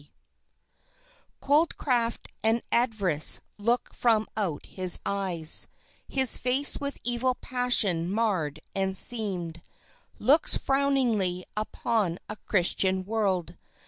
Shylock Cold craft and avarice look from out his eyes, His face with evil passion marred and seamed, Looks frowningly upon a Christian world.